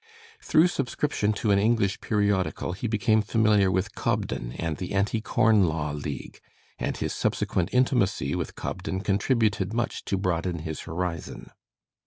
Through subscription to an English periodical he became familiar with Cobden and the Anti Corn Law League, and his subsequent intimacy with Cobden contributed much to broaden his horizon.